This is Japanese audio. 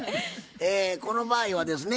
この場合はですね